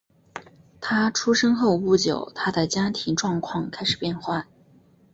他出生后不久他的家庭状况开始变坏。